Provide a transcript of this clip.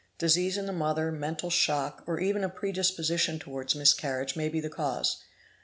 Disease in the mother, mental shock, or even a pre disposition towards _ miscarriage, may be the cause.